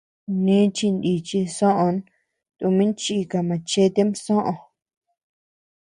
Nichi nichi soʼön tumin chika machetem soʼö.